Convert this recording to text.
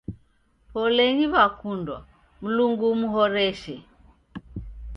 Polenyi w'akundwa, Mlungu umuhoreshe.